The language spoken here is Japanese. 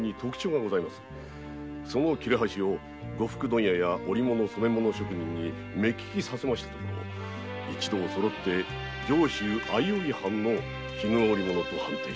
その切れ端を呉服問屋や職人に目利きさせましたところ上州相生藩の絹織物と判定しました。